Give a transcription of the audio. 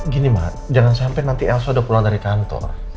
gini mas jangan sampai nanti elsa udah pulang dari kantor